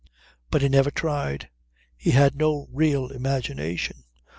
But he never tried. He had no real imagination.